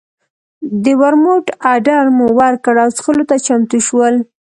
د ورموت اډر مو ورکړ او څښلو ته چمتو شول.